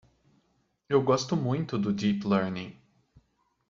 Eu gosto muito do Deep Learning.